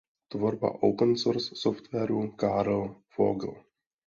"Tvorba open source softwaru", Karl Fogel